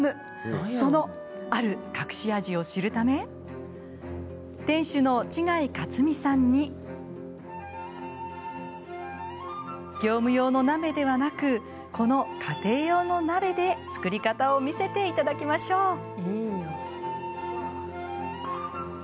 そのある隠し味を知るため店主の違克美さんに業務用の鍋ではなくこの家庭用の鍋で作り方を見せていただきましょう。